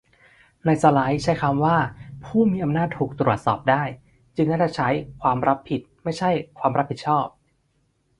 ในสไลด์ใช้คำว่า 'ผู้มีอำนาจถูกตรวจสอบได้' จึงน่าจะใช้ 'ความรับผิด' ไม่ใช่ 'ความรับผิดชอบ'